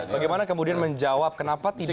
bagaimana kemudian menjawab kenapa tidak